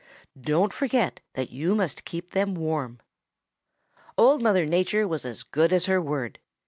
Don't forget that you must keep them warm.' "Old Mother Nature was as good as her word.